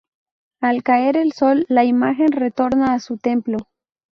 Al caer el sol, la imagen retorna a su templo.